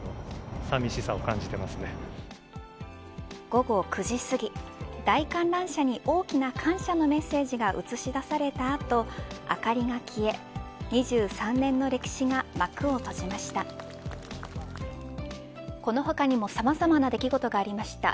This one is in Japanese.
午後９時すぎ大観覧車に大きな感謝のメッセージが映し出された後、明かりが消え２３年の歴史が幕を閉じました。